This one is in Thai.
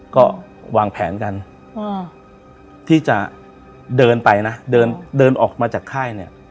ก็วางแผนกันที่จะเดินไปนะเดินเดินออกมาจากค่ายเนี่ย